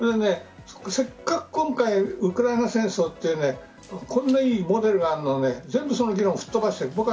せっかく今回ウクライナ戦争というこんないいモデルがあるのにその議論を吹っ飛ばしている。